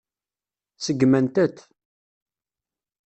Seggment-t.